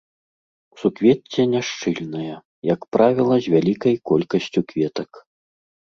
Суквецце няшчыльнае, як правіла, з вялікай колькасцю кветак.